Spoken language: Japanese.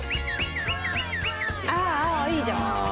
ああいいじゃん。